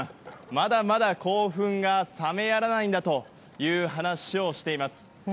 まだまだ興奮が冷めやらないんだという話をしています。